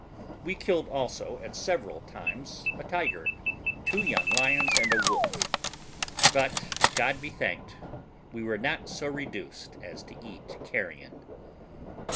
We killed also, at several times, a tiger, two young lions, and a wolf; but, God be thanked, we were not so reduced as to eat carrion.